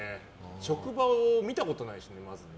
職場を見たことないしね、まず。